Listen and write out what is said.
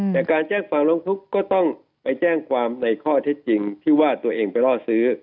แต่การแจ้งความร้องทุกข์ก็ต้องไปแจ้งความในข้อเท็จจริงที่ว่าตัวเองไปล่อซื้อ